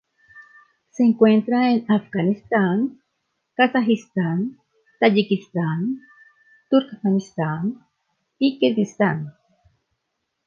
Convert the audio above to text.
Se encuentra en el Afganistán, Kazajistán, Tayikistán, Turkmenistán y Kirguistán.